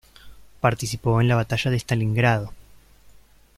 Participó en la Batalla de Stalingrado.